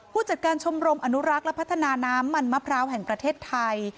ผู้จัดการชมรมอนุรักษ์และพัฒนาน้ำมันมะพร้าวแห่งประเทศไทย